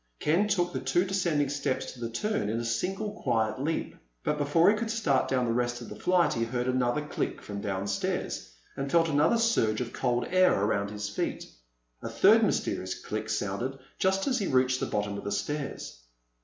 Ken took the two descending steps to the turn in a single quiet leap. But before he could start down the rest of the flight he heard another click from downstairs, and felt another surge of cold air around his feet. A third mysterious click sounded just as he reached the bottom of the stairs.